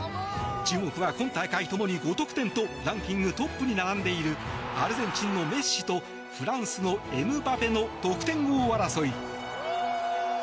注目は今大会、共に５得点とランキングトップに並んでいるアルゼンチンのメッシとフランスのエムバペの得点王争い。